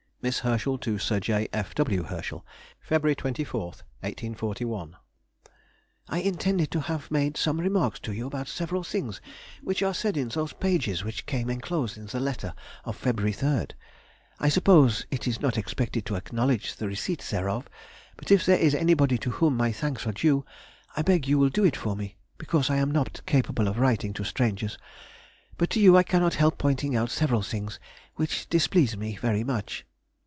[Sidenote: 1841. Concerning her Brother.] MISS HERSCHEL TO SIR J. F. W. HERSCHEL. Feb. 24, 1841. I intended to have made some remarks to you about several things which are said in those pages which came enclosed in the letter of February 3rd. I suppose it is not expected to acknowledge the receipt thereof, but if there is anybody to whom my thanks are due, I beg you will do it for me, because I am not capable of writing to strangers. But to you I cannot help pointing out several things which displease me very much....